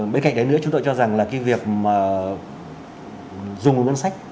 bên cạnh đấy nữa chúng tôi cho rằng là việc dùng ngân sách